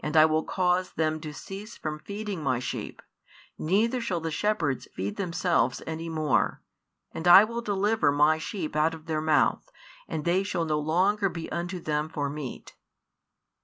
I will cause them to cease from feeding My sheep; neither shall the shepherds feed themselves any more: and I will deliver My sheep out of their mouth, and they shall no longer be unto them for meat.